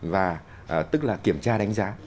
và tức là kiểm tra đánh giá